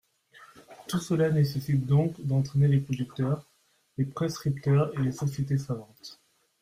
Tout cela nécessite donc d’entraîner les producteurs, les prescripteurs et les sociétés savantes.